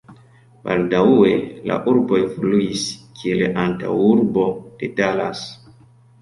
Baldaŭe la urbo evoluis, kiel antaŭurbo de Dallas.